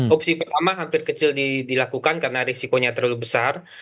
opsi pertama hampir kecil dilakukan karena risikonya terlalu besar